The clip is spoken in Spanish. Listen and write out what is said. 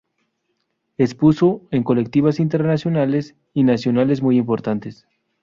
Expuso en colectivas internacionales y nacionales muy importantes.